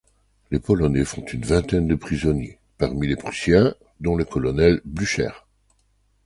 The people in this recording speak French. Les Polonais font une vingtaine de prisonniers parmi les Prussiens, dont le colonel Blücher.